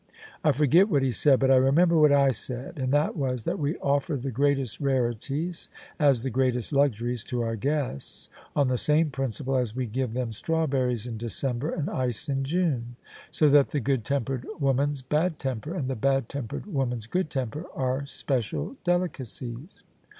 "" I forget what he said, but I remember what I said : and that was that we ofiEer the greatest rareties as the greatest luxuries to our guests, on the same principle as we give them strawberries in December and ice in June. So that the good tempered woman's bad temper and the bad tempered woman's good temper are special delicacies."